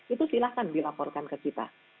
itu silahkan dilaporkan ke kita